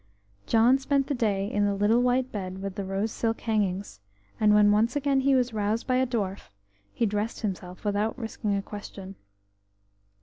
John spent the day in the little white bed with the rose silk hangings, and when once again he was roused by a dwarf he dressed himself without risking a question.